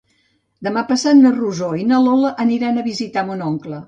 Demà passat na Rosó i na Lola aniran a visitar mon oncle.